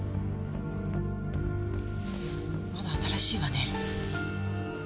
まだ新しいわね。